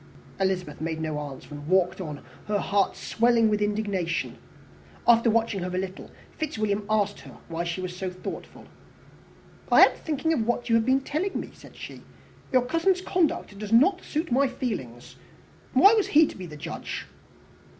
Elizabeth made no answer, and walked on, her heart swelling with indignation. After watching her a little, Fitzwilliam asked her why she was so thoughtful. "I am thinking of what you have been telling me," said she. "Your cousin's conduct does not suit my feelings. Why was he to be the judge?"